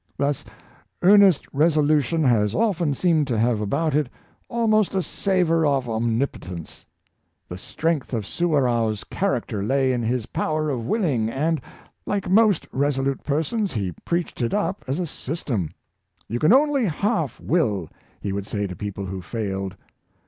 Thus, earnest resolution has often seemed to have about it almost a savor of omnip otence. The strength of Suwarrow's character lay in his power of willing, and, like most resolute persons, he preached it up as a system. " You can only half will," he would say to people who failed.